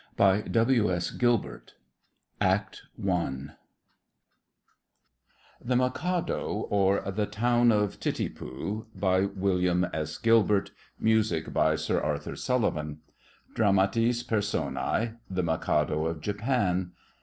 ALL. Up in the air, etc. CURTAIN THE MIKADO OR THE TOWN OF TITIPU By William S. Gilbert Music by Sir Arthur Sullivan DRAMATIS PERSONAE. THE MIKADO OF JAPAN.